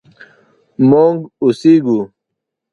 مونږ اوسیږو